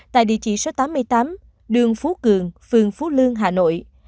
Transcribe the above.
tại địa chỉ số tám mươi tám đường phú cường phường phú lương hà nội